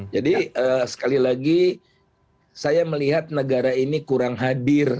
jadi sekali lagi saya melihat negara ini kurang hadir